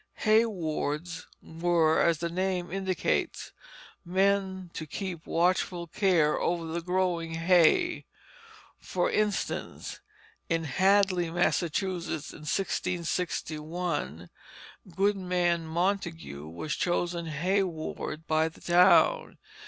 Hay wards were, as the name indicates, men to keep watchful care over the growing hay. For instance, in Hadley, Massachusetts, in 1661, Goodman Montague was chosen hay ward by the town.